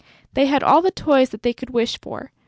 They had all the toys that they could wish for.